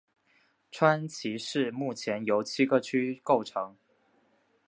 川崎市目前由七个区构成。